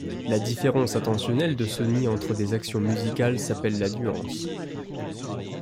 La différence intentionnelle de sonie entre des actions musicales s'appelle la nuance.